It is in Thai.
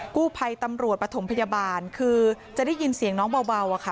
กู้ภัยตำรวจปฐมพยาบาลคือจะได้ยินเสียงน้องเบาอะค่ะ